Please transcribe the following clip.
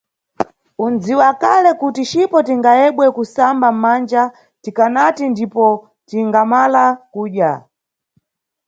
Unʼdziwa kale kuti cipo tingayebwe kusamba manja tikanati ndipo tingamala kudya.